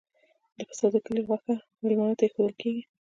د پسه د کلي غوښه میلمه ته ایښودل کیږي.